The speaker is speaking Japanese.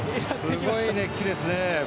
すごい熱気ですね。